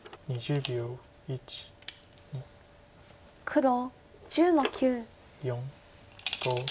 黒１０の九。